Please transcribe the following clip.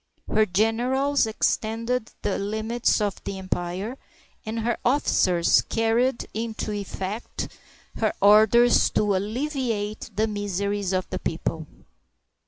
Her generals extended the limits of the empire, and her officers carried into effect 68 THE RULE OF THE EMPRESS WU her orders to alleviate the miseries of the people.